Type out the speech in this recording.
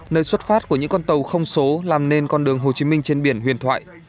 nơi xuất phát của những con tàu không số làm nên con đường hồ chí minh trên biển huyền thoại